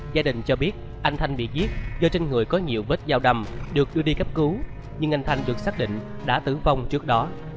gia đình cho biết anh thanh bị giết do trên người có nhiều vết dao đầm được đưa đi cấp cứu nhưng anh thanh được xác định đã tử vong trước đó